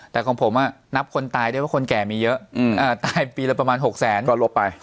แต่ของผมนับคนตายได้ว่าคนแก่มีเยอะตายปีละประมาณ๖แสนก็ลบไป